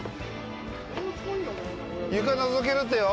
床のぞけるってよ。